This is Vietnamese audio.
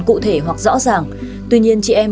cụ thể hoặc rõ ràng tuy nhiên chị em